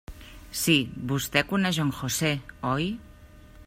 Sí, Vostè coneix en José, ¿oi?